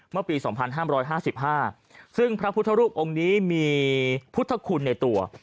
เมื่อปีสองพันห้ามร้อยห้าสิบห้าซึ่งพระพุทธรูปองค์นี้มีพุทธคุณในตัว